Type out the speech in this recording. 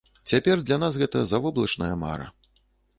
Цяпер для нас гэта завоблачная мара.